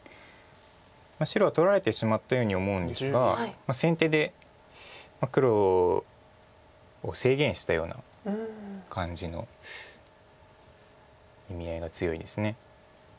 白は取られてしまったように思うんですが先手で黒を制限したような感じの意味合いが強いです。